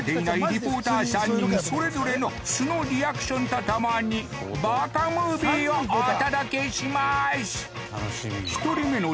リポーター３人それぞれの素のリアクションとともにＢＡＫＡムービーをお届けします